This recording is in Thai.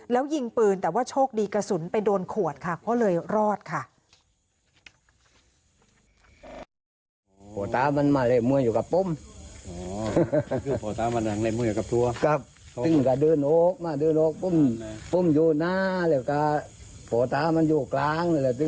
แล้วยิงปืนแต่ว่าโชคดีกระสุนไปโดนขวดค่ะก็เลยรอดค่ะ